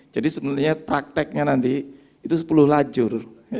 jadi sebenarnya prakteknya nanti itu sepuluh lacur